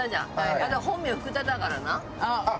私本名福田だからな。